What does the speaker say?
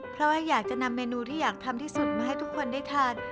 เพราะว่าอยากจะนำเมนูที่อยากทำที่สุดมาให้ทุกคนได้ทาน